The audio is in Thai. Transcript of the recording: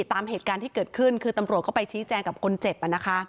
ตามเหตุการณ์ที่เกิดขึ้นคือตำรวจเข้าไปชี้แจงกับคนเจ็บ